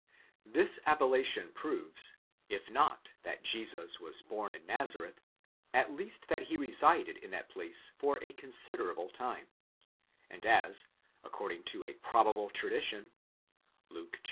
8 This appellation proves, if not that Jesus was born in Nazareth, at least that he resided in that place for a considerable time ; and as, according to a probable tradition (Luke iv.